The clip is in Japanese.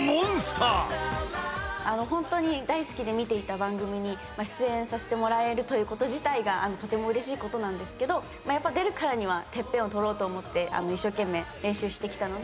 ホントに大好きで見ていた番組に出演させてもらえるということ自体がとてもうれしいことなんですけどやっぱ出るからにはＴＥＰＰＥＮを取ろうと思って一生懸命練習してきたので。